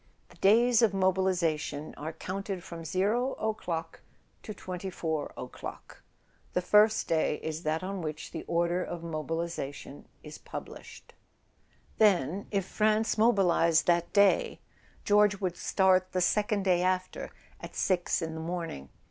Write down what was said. "The days of mobilisation are counted from 0 o'clock to 24 o'clock. The first day is that on which the order of mobilisation is published." Then, if France mobilised that day, George would start the second day after, at six in the morning.